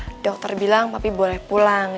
tapi untung aja dokter bilang papi boleh pulang